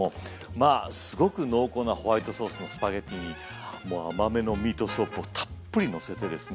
まあすごく濃厚なホワイトソースのスパゲッティにもう甘めのミートソースをたっぷりのせてですね